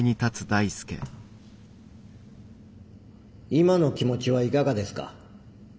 今の気持ちはいかがですか？